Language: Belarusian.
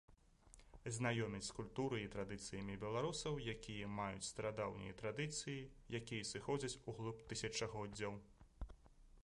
Знаёміць з культурай і традыцыямі беларусаў, якія маюць старадаўнія традыцыі, якія сыходзяць углыб тысячагоддзяў.